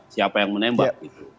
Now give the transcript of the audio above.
siapa yang menembak